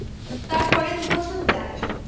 তার পরে দু বছর যায়।